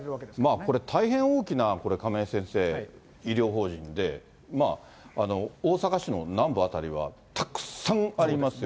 これ、大変大きな亀井先生、医療法人で、大阪市のなんば辺りはたくさんありますよ。